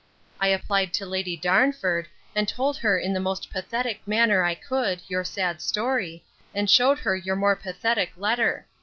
I applied to Lady Darnford, and told her in the most pathetic manner I could, your sad story, and shewed her your more pathetic letter.